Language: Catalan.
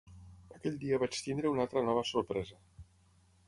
Aquell dia vaig tenir una altra nova sorpresa.